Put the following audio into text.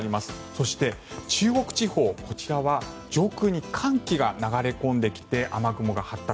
そして、中国地方こちらは上空に寒気が流れ込んできて雨雲が発達。